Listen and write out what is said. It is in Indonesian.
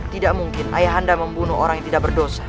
tidak mungkin ayah anda membunuh orang yang tidak berdosa